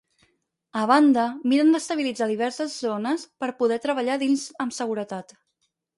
A banda, miren d’estabilitzar diverses zones per poder treballar dins amb seguretat.